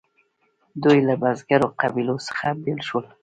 دوی له بزګرو قبیلو څخه بیل شول.